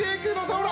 ほら。